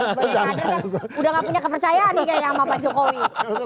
ya enggak dong sebenarnya kader kan udah gak punya kepercayaan nih kayaknya sama pak jokowi